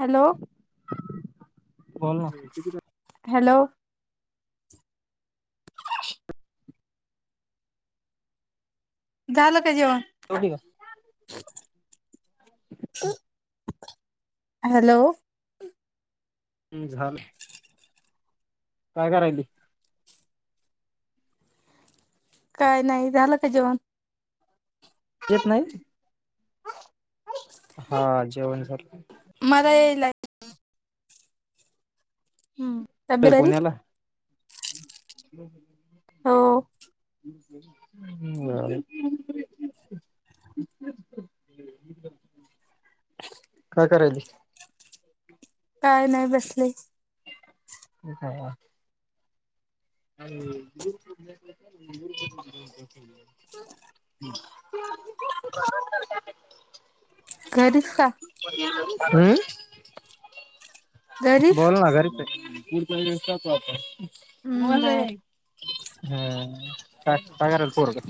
Hello बोल ना hello. [inaudible] झालं का जेवण? [inaudible] हॅलो. झालं. काय करायली? काय नाही झालं का जेवण? येत नाही. हा जेवण झालं. मला यायलाय. हम्म तब्येत काय बरी? पुण्याला हम् हो ह् [unintelligible] काय करायलीस काय नाही बसलेच हो काय हा आणि ग [unintelligible] [unintelligible] घरीच का हम घरीच. बोला ना घरी च हाय हम्म बोल ये बर [unintelligible] काय करायले पोरग [unintelligible]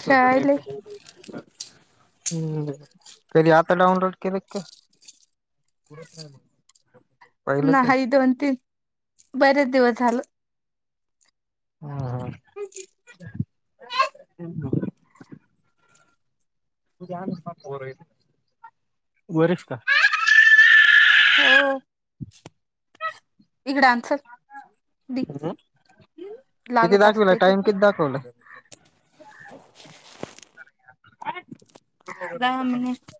खेळायले हम्म कधी आता डाउनलोड केले की काय पुढच नाही न्हाय दोन तीन बरचं दिवस झालं. ह हा [unintelligible] [unintelligible] वरिष्ठ हो का इकडे आन चल दे लागत असते ते हो दहा मिनिट